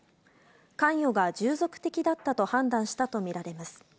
関与が従属的だったと判断したと見られます。